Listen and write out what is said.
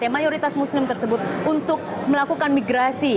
yang mayoritas muslim tersebut untuk melakukan migrasi